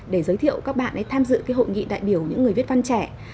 để giới thiệu các bạn tham dự hội nghị đại biểu những người viết văn trẻ